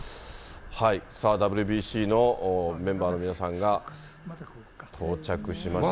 さあ、ＷＢＣのメンバーの皆さんが到着しました。